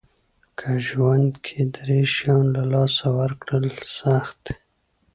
که ژوند کې درې شیان له لاسه ورکړل سخت دي.